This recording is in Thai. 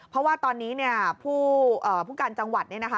เพราะว่าตอนนี้เนี่ยผู้การจังหวัดเนี่ยนะคะ